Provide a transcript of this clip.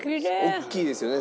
大きいですよね